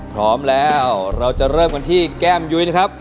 พร้อมแล้วเราจะเริ่มกันที่แก้มยุ้ยนะครับ